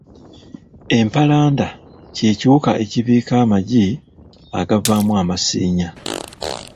Empalanda kye kiwuka ekibiika amagi agavaamu amasiinya.